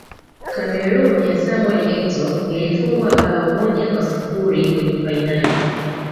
cameroon ya samuel etoo ilifungwa bao moja kwa sifuri kwenye fainali